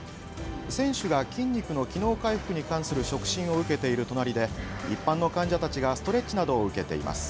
選手が筋肉の機能回復に関する触診を受けている隣で一般の患者たちがストレッチなどを受けています。